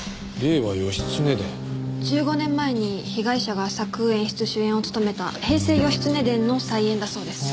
１５年前に被害者が作演出主演を務めた『平成義経伝』の再演だそうです。